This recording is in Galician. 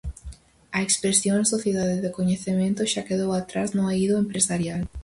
A expresión "Sociedade do Coñecemento" xa quedou atrás no eido empresarial.